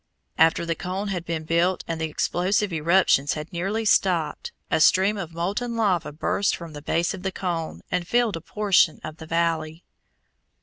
After the cone had been built and the explosive eruptions had nearly stopped, a stream of molten lava burst from the base of the cone and filled a portion of the valley.